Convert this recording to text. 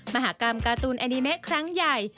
มหากรรมการ์ตูนแอนิเมะครั้งใหญ่